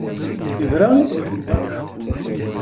Ibra i ṭṭbel deg waman.